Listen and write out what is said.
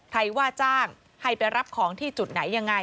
ว่าจ้างให้ไปรับของที่จุดไหนยังไง